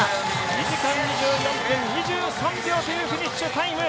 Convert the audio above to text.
２時間２４分２３秒というフィニッシュタイム。